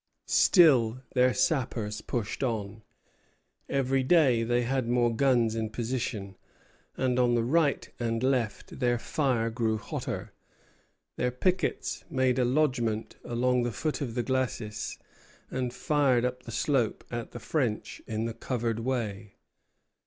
Still their sappers pushed on. Every day they had more guns in position, and on right and left their fire grew hotter. Their pickets made a lodgment along the foot of the glacis, and fired up the slope at the French in the covered way.